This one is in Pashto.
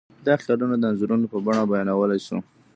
دا خیالونه د انځورونو په بڼه بیانولی شو.